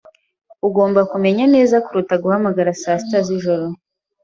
Ugomba kumenya neza kuruta guhamagara saa sita z'ijoro.